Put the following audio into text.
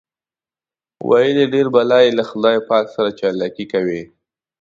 ویل یې ډېر بلا یې له خدای پاک سره چالاکي کوي.